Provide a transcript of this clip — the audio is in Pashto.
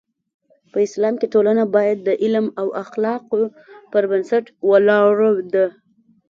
په اسلام کې ټولنه باید د علم او اخلاقو پر بنسټ ولاړه ده.